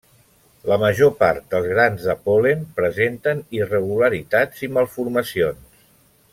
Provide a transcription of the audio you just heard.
La major part dels grans de pol·len presenten irregularitats i malformacions.